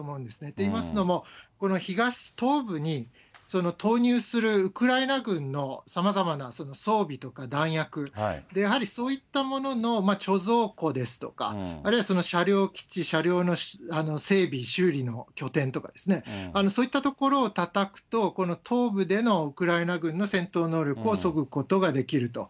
といいますのも、この東、東部に、投入するウクライナ軍のさまざまな装備とか弾薬、やはりそういったものの貯蔵庫ですとか、あるいはその車両基地、車両の整備、修理の拠点とか、そういった所をたたくと、この東部でのウクライナ軍の戦闘能力をそぐことができると。